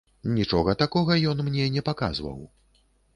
Нічога такога ён мне не паказваў.